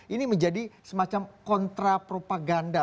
ini menjadi semacam kontra propaganda